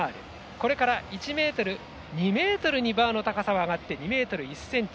これから２ｍにバーの高さが上がって２ｍ１ｃｍ。